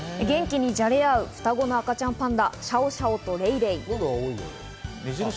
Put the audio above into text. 元気にじゃれあう双子の赤ちゃんパンダ、シャオシャオとレイレイ。